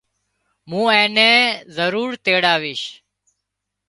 مُون اين نين ضرور تيڙاويش